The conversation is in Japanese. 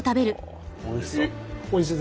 おいしい。